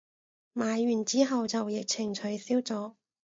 買完之後就疫情取消咗